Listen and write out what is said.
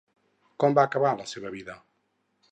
Com va acabar la seva vida?